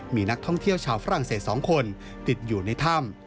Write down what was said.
มีนักท่องเที่ยวชาวฝรั่งเศส๒คนติดอยู่ในถ้ำ